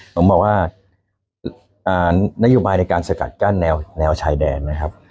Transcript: ผมบอกว่านโยบายในการสกัดกั้นแนวชายแดนนะครับ